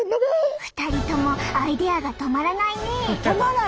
２人ともアイデアが止まらないね！